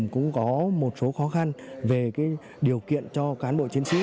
cũng có một số khó khăn về điều kiện cho cán bộ chiến sĩ